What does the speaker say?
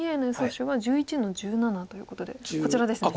手は１１の十七ということでこちらですね。